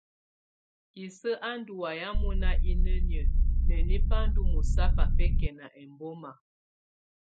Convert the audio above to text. Isǝ́ á ndù waya mɔná inǝniǝ́ nǝni ba ndɔ̀ mɔ̀sabɔ̀á bɛkɛna ɛmbɔma.